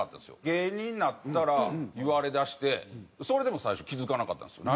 芸人になったら言われだしてそれでも最初気付かなかったんですよ。